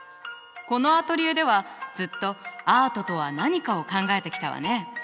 このアトリエではずっとアートとは何かを考えてきたわね。